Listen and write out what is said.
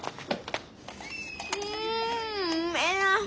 うんうめえな！